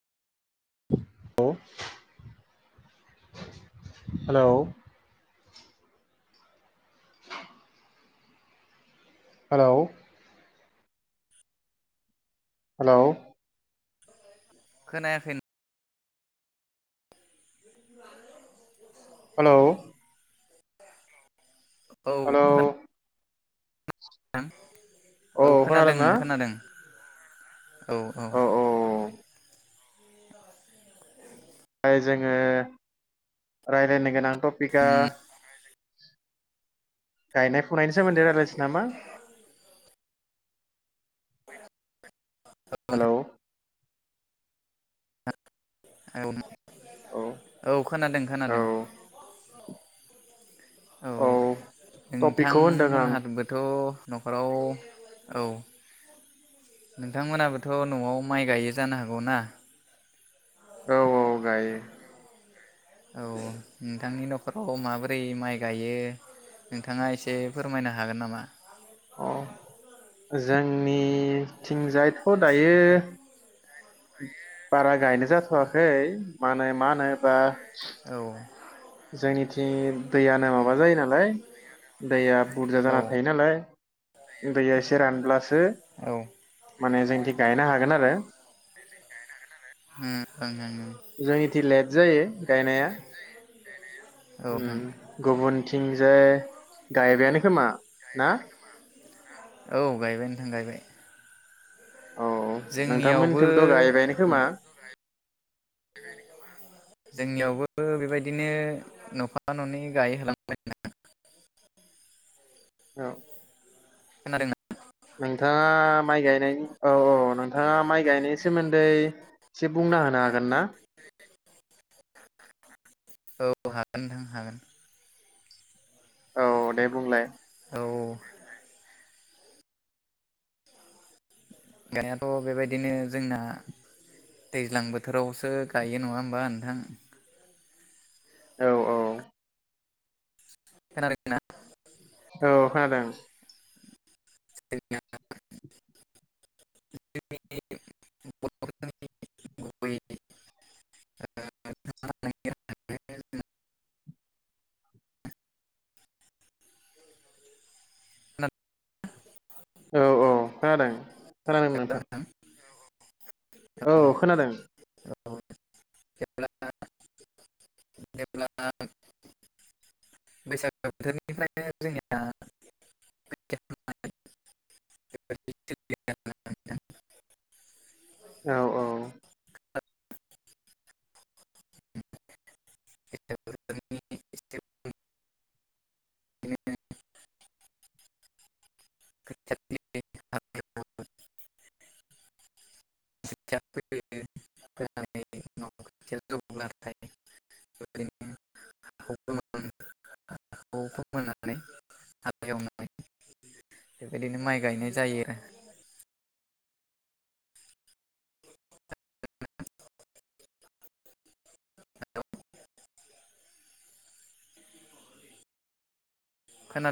हेल' [inaudible] हेल' hello खोनायाखै hello औ hello [unintelligible] औ खोनादों नोंथां खोनादों औ औ [inaudible] फ्राय जोङो रायलायनो गोनां टपिका गायनाय फुनायनि सोमोन्दै रायज्लायसै नामा? हेलौ। औ [unintelligible] औ खोनादों औ खोनादों [inaudible] औ टपिकखौ होनदों आं नोंथांमोनहाबबोथ' न'खराव औ नोंथांमोनाबोथ' न'आव माइ गायो जानो हागौ ना औ औ गायो। औ नोंथांनि न'खराव माबोरै माइ गायो नोंथाङा एसे फोरमायनो हागोन नामा? अ जोंनिथिंजायथ' दायो बारा गायनाय जाथ'वाखै मा होनो मा होनोबा औ जोंनिथिं दैयानो माबा जायो नालाय दैया बुरजा औ जाना ओं थायो नालाय दैया एसे रानब्लासो ओं माने जोंथि गायनो हागोन आरो। ओं जोंनिथि लेट जायो गायनाया [unintelligible] नोंथां उम गुबुनथिं जे गायबायानो खोमा ना? औ गायबाय नोंथां गायबाय। औ नोंथांमोननिथिंबोथ' गायबायनो जोंनियावबो खोमा? जोंनियावबो बेबायदिनो न'फा न'नै गायहोलांबाय। औ खोनादोंना नोंथाङा माइ गायनायनि औ औ नोंथाङा माइ गायनायनि सोमोन्दै एसे बुंना होनो हागोन ना औ हागोनथां हागोन औ दे बुंलाय औ गानायाथ' बेबायदिनो जोंना दैज्लां बोथोरावसो गायो नङा होमबा नोंथां औ औ खोनादोंना औ खोनादों [unintelligible] औ औ खोनादों खानादों नोंथां औ खोनादों [unintelligible] औ औ [unintelligible] ब [unintelligible] [unintelligible] [unintelligible] बिदिनो माइ गायनाय जायो। हेलौ खोनादों